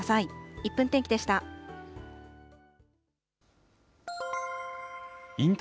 １分天気でした。